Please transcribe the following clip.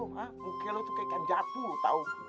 mukanya lo tuh kayak jatuh tau